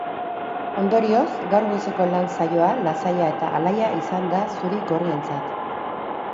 Ondorioz, gaur goizeko lan saioa lasaia eta alaia izan da zuri-gorrientzat.